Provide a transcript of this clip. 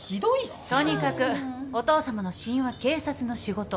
とにかくお父さまの死因は警察の仕事。